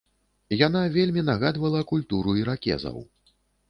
Яна вельмі нагадвала культуру іракезаў.